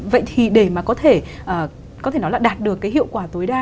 vậy thì để có thể đạt được hiệu quả tối đa